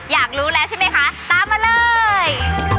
อยากรู้แล้วใช่ไหมคะตามมาเลย